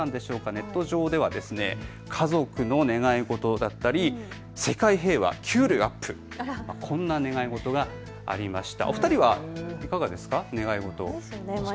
ネット上では家族の願い事だったり世界平和、給与アップこんな願い事がありました。